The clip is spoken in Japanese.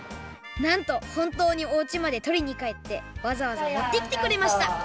なんとほんとうにおうちまでとりにかえってわざわざ持ってきてくれました！